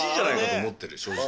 正直。